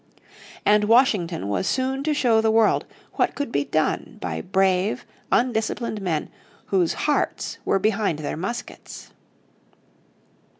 And Washington was soon to show the world what could be done by brave undisciplined men whose hearts were behind their muskets.